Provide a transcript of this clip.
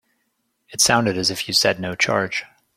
It sounded as if you said no charge.